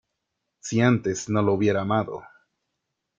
Si antes no la hubiera amado.